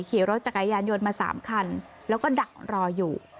ขี่รถจักรยานยนต์มา๓คันแล้วก็ดักรออยู่